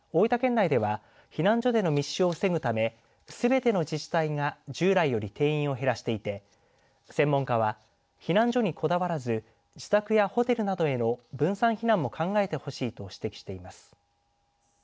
内では避難所での密集を防ぐためすべての自治体が従来より定員を減らしていて専門家は避難所にこだわらず自宅やホテルなどへの分散避難も考えてほしいと指摘しています。